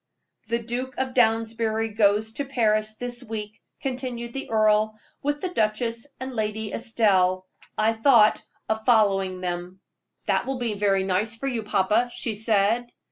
"The Duke of Downsbury goes to Paris this week," continued the earl, "with the duchess and Lady Estelle. I thought of following them." "That will be very nice for you, papa," she said.